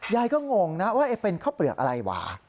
ยายก็งงนะว่าเป็นข้าวเปลือกอะไรวะ